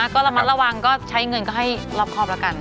ก็ระมัดระวังก็ใช้เงินก็ให้รอบครอบแล้วกัน